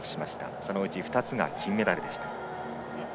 そのうち２つが金メダル。